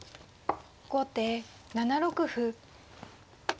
後手７六歩。